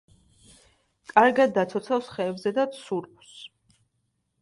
კარგად დაცოცავს ხეებზე და ცურავს.